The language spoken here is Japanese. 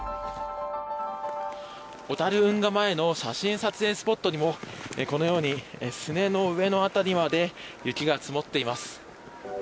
小樽運河前の写真撮影スポット前にもこのようにすねの上の辺りまで雪が積もっています。